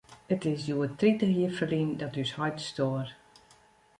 It is hjoed tritich jier ferlyn dat ús heit stoar.